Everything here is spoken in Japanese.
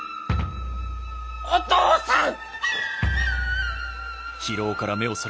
お父さん！